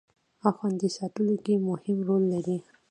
او خوندي ساتلو کې مهم رول لري